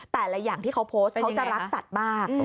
แต่ละอย่างที่เขาโพสต์เขาจะรักสัตว์มาก